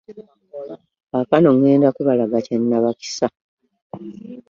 Kaakano ŋŋenda kubalaga kye nabakisa.